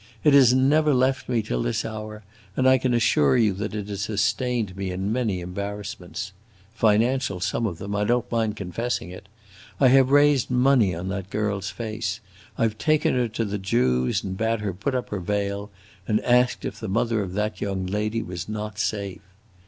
It has never left me till this hour, and I can assure you that it has sustained me in many embarrassments. Financial, some of them; I don't mind confessing it! I have raised money on that girl's face! I 've taken her to the Jews and bade her put up her veil, and asked if the mother of that young lady was not safe!